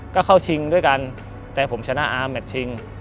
ก็เข้าชิงด้วยกันแต่ผมชนะอาร์แมทชิง